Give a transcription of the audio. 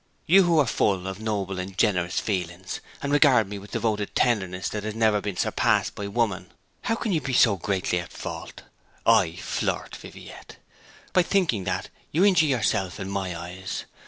'You who are full of noble and generous feelings, and regard me with devoted tenderness that has never been surpassed by woman, how can you be so greatly at fault? I flirt, Viviette? By thinking that you injure yourself in my eyes.